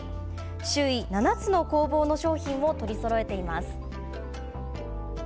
周囲７つの工房の商品を取りそろえています。